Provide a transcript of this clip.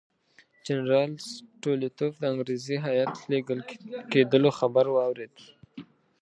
جنرال سټولیتوف د انګریزي هیات لېږل کېدلو خبر واورېد.